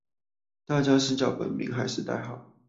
大家是叫本名還是代號